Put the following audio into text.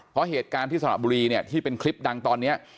เพราะเหตุการณ์ที่สระบุรีเนี่ยที่เป็นคลิปดังตอนนี้